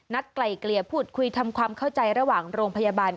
ไกลเกลี่ยพูดคุยทำความเข้าใจระหว่างโรงพยาบาล